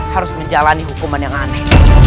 harus menjalani hukuman yang aneh